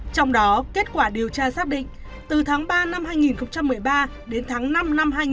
trong đó kết quả điều tra xác định từ tháng ba năm hai nghìn một mươi ba đến tháng năm năm hai nghìn một mươi bảy